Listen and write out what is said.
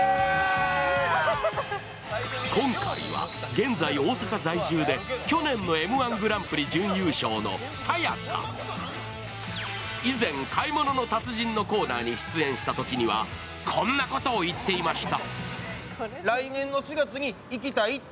今回は現在、大阪在住で去年の「Ｍ−１グランプリ」準優勝の以前、「買い物の達人」のコーナーに出演したときには、こんなことを言っていました。